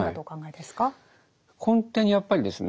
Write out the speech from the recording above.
根底にやっぱりですね